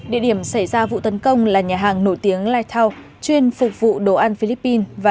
địa điểm xảy ra vụ tấn công là nhà hàng nổi tiếng lighthouse chuyên phục vụ đồ ăn philippines